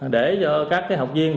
để cho các học viên